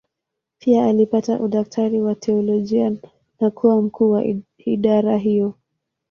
Pia alipata udaktari wa teolojia na kuwa mkuu wa idara hiyo.